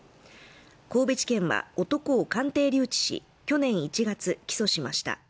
神戸地検は男を鑑定留置し、去年１月、起訴しました。